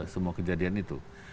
semua kejadian itu